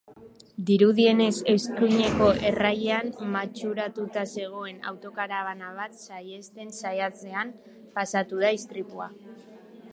Dirudienez, eskuineko errailean matxuratuta zegoen autokarabana bat saihesten saiatzean pasatu da istripua.